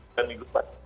dan minggu depan